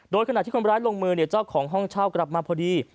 โดยขณะที่คนร้ายลงมือเจ้าของห้องเช่ากลับมาพอดี